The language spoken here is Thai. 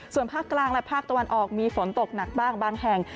ส่วนภาคกลางและภาคตะวันออกมีฝนตกหนักบ้างบางแห่ง